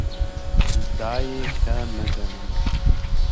دا یې ښه نه ګڼله.